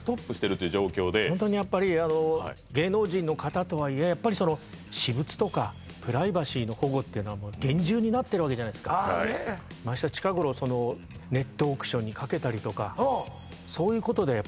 ホントにやっぱり芸能人の方とはいえやっぱり私物とかプライバシーの保護っていうのは厳重になってるわけじゃないですかましてや近頃ネットオークションにかけたりとかそういうことであ